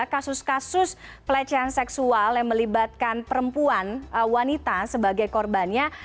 kasus kasus pelecehan seksual yang melibatkan perempuan wanita sebagai korbannya